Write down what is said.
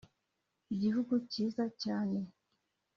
igihugu cyiza cyaneeee